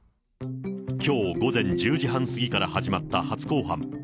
きょう午前１０時半過ぎから始まった初公判。